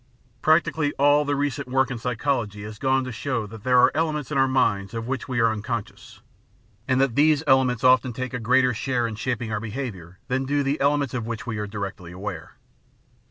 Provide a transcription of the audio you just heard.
Practically all the recent work in psychology has gone to show that there are elements in our minds of which we are uncon scious, and that these elements often take a greater share in shaping our behaviour than do the elements of which we are directly aware.